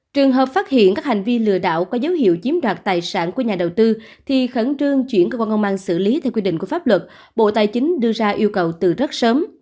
trường hợp phát hiện các hành vi lừa đảo có dấu hiệu chiếm đoạt tài sản của nhà đầu tư thì khẩn trương chuyển cơ quan công an xử lý theo quy định của pháp luật bộ tài chính đưa ra yêu cầu từ rất sớm